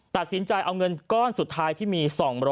ตัดสินใจเอาเงินก้อนสุดท้ายที่มี๒๐๐